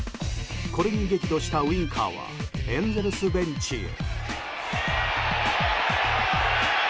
これに激怒したウインカーはエンゼルスベンチへ。